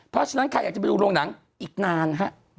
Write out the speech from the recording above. เพราะฉะนั้นใครอยากจะไปดูโรงหนังอีกนานฮะ